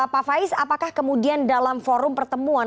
pak faiz apakah kemudian dalam forum pertemuan